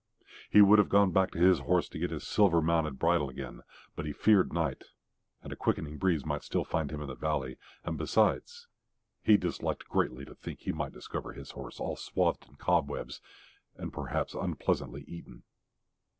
He would have gone back to his horse to get his silver mounted bridle again, but he feared night and a quickening breeze might still find him in the valley, and besides he disliked greatly to think he might discover his horse all swathed in cobwebs and perhaps unpleasantly eaten.